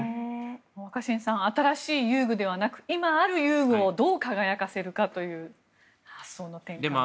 若新さん新しい遊具ではなく今ある遊具をどう輝かせるかという発想の転換ですね。